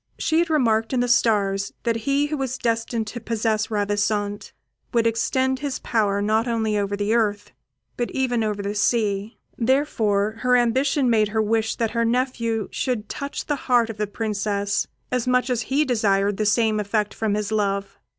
She had remarked in the stars that he who was destined to possess Ravissante would extend his power not only over the earth, but even over the sea. Therefore her ambition made her wish that her nephew should touch the heart of the Princess as much as he desired the same effect from his love.